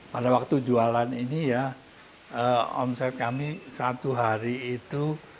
pada waktu jualan ini ya omset kami satu hari itu